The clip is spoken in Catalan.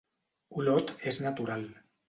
Olot és natural.